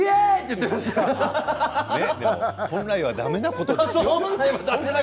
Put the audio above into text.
って本来はだめなことですよ。